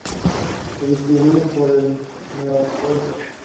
Se distribuyen por el neotrópico.